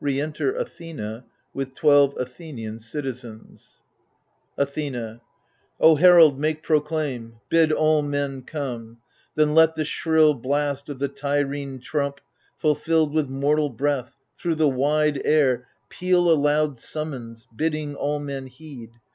[Re enter Athenoy with twelve Athenian citizens. Athena O herald, make proclaim, bid all men come. Then let the shrill blast of the Tyrrhene trump^ Fulfilled with mortal breath, thro* the wide air Peal a loud summons, bidding all men heed.